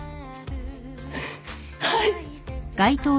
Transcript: はい。